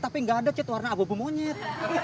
tapi gak ada cet warna abu abu monyet